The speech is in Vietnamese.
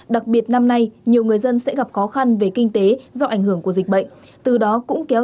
đặc biệt năm nay nhiều người dân sẽ gặp khó khăn về kinh tế do ảnh hưởng của dịch bệnh từ đó cũng kéo